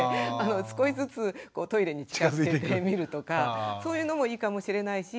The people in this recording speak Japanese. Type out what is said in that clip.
少しずつトイレに近づけてみるとかそういうのもいいかもしれないし。